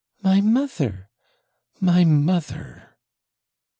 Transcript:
my mother! my mother!'